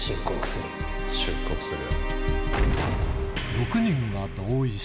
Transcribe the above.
出国する。